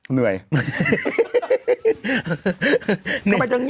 เหนื่อย